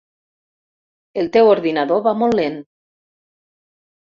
El teu ordinador va molt lent.